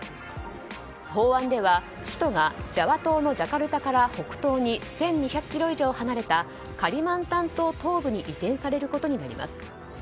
法案では首都がジャワ島のジャカルタから北東に１２００ｋｍ以上離れたカリマンタン島東部に移転されることになります。